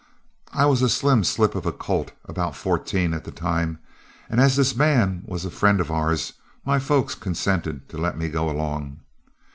I was a slim slip of a colt about fourteen at the time, and as this man was a friend of ours, my folks consented to let me go along.